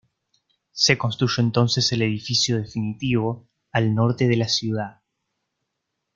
Se construyó entonces el edificio definitivo, al norte de la ciudad.